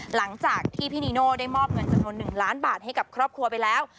หลังจากที่พี่นีโน่ได้มอบเงินจำนวน๑ล้านบาทให้กับครอบครัวไปแล้ว